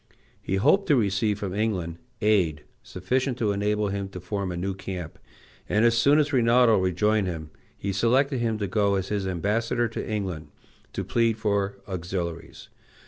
He hoped to receive from England aid sufficient to enable him to form a new camp, and as soon as Rinaldo rejoined him he selected him to go as his ambassador into England, to plead for auxiliaries.